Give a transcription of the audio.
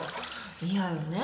嫌よね。